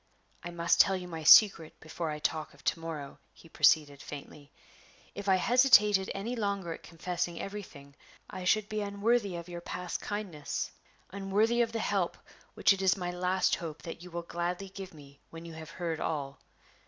"I must tell you my secret before I talk of to morrow," he proceeded, faintly. "If I hesitated any longer at confessing everything, I should be unworthy of your past kindness, unworthy of the help which it is my last hope that you will gladly give me when you have heard all."